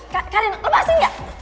karin lepasin gak